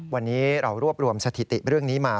วันนี้เรารวบรวมสถิติเรื่องนี้มา